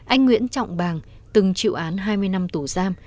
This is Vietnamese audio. anh nguyễn trọng bàng từng chịu án hai mươi năm tù giam